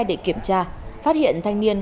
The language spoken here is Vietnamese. để kiểm tra phát hiện thanh niên